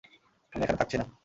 আমি এখানে থাকছি না!